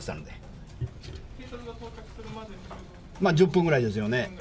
１０分ぐらいですよね。